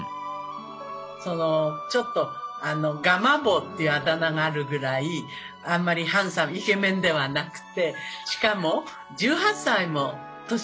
ちょっと「ガマ坊」っていうあだ名があるぐらいあんまりハンサムイケメンではなくてしかも１８歳も年が離れてますよね。